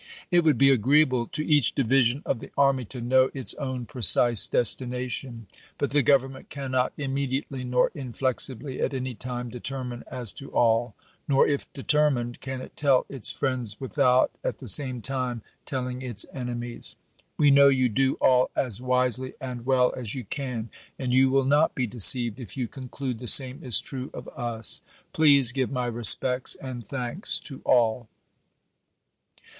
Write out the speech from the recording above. It would be agreeable to each division of chap. vii. the army to know its own precise destination ; but the Gov ernment cannot immediately, nor inflexibly at any time, determine as to all ; nor, if determined, can it tell its friends without, at the same time, telling its enemies. ^Sccier " We know you do all as wisely and well as you can ; and jjov^*^o you will not be deceived if you conclude the same is true isei. ms. of us. Please give my respects and thanks to all.